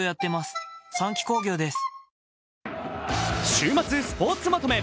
週末スポーツまとめ。